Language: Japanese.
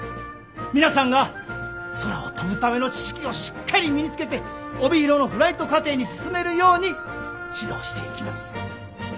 皆さんが空を飛ぶための知識をしっかり身につけて帯広のフライト課程に進めるように指導していきます。